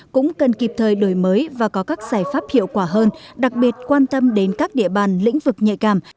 cũng cần kịp thời đổi mới và có các giải pháp hiệu quả hơn đặc biệt quan tâm đến các địa bàn lĩnh vực nhạy cảm